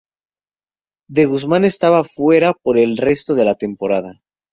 De Guzmán estaba fuera por el resto de la temporada.